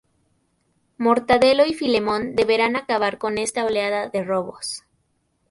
Mortadelo y Filemón deberán acabar con esta oleada de robos.